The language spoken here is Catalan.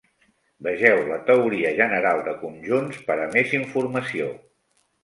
Vegeu la teoria general de conjunts per a més informació.